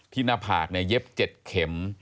หน้าผากเย็บ๗เข็ม